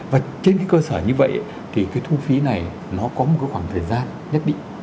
và trên cái cơ sở như vậy thì cái thu phí này nó có một khoảng thời gian nhất định